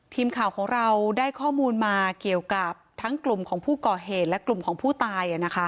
ทีมข่าวของเราได้ข้อมูลมาเกี่ยวกับทั้งกลุ่มของผู้ก่อเหตุและกลุ่มของผู้ตาย